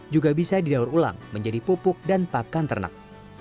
juga bisa didaur ulang menjadi pupuk dan pakan ternak